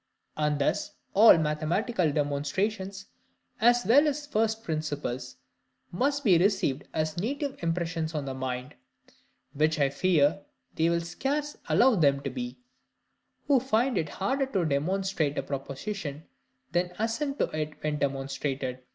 And thus all mathematical demonstrations, as well as first principles, must be received as native impressions on the mind; which I fear they will scarce allow them to be, who find it harder to demonstrate a proposition than assent to it when demonstrated.